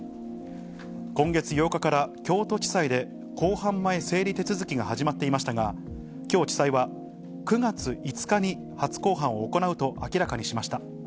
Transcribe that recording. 今月８日から京都地裁で公判前整理手続きが始まっていましたが、きょう地裁は、９月５日に初公判を行うと明らかにしました。